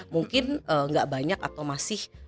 mungkin nggak banyak atau masih